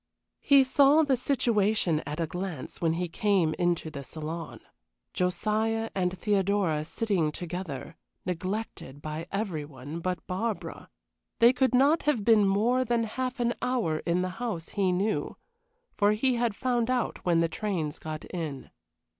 He saw the situation at a glance when he came into the saloon: Josiah and Theodora sitting together, neglected by every one but Barbara. They could not have been more than half an hour in the house, he knew, for he had found out when the trains got in.